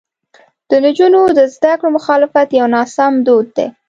د نجونو د زده کړو مخالفت یو ناسمو دود دی.